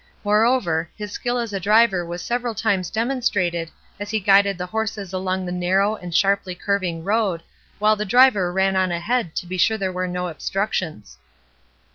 Moreover, his skill as a driver was several times demonstrated as he guided the horses along the narrow and sharply curving road, while the driver ran on ahead to be sure there were no obstructions.